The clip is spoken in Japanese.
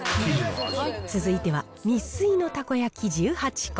続いてはニッスイのたこ焼き１８個。